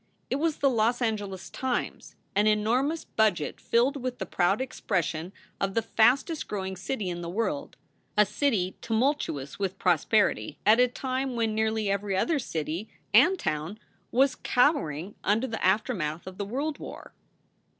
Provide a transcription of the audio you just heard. It was the Los Angeles Times, an enormous budget filled with the proud expression of the fastest growing city in the world, a city tumultuous with prosperity at a time io2 SOULS FOR SALE when nearly every other city and town was cowering under the aftermath of the World War.